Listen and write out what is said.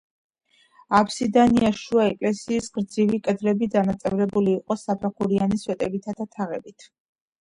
აფსიდიანი შუა ეკლესიის გრძივი კედლები დანაწევრებული იყო საფეხურიანი სვეტებითა და თაღებით.